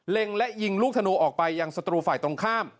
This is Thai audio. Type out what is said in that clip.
และยิงลูกธนูออกไปยังศัตรูฝ่ายตรงข้าม